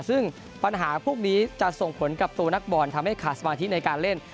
ซึ่งปัญหาพวกนี้จะส่งผลกับตัวนักบอลทำให้ขาดสมาธิในการเล่น